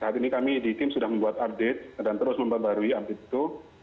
saat ini kami di tim sudah membuat update dan terus memperbarui update itu